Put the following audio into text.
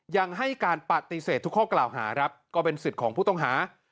ยังให้การปฏิเสธทุกข้อกล่าวหาครับก็เป็นสิทธิ์ของผู้ต้องหา